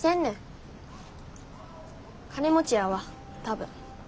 金持ちやわ多分。